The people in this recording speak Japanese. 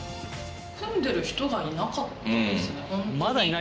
組んでる人がいなかったですね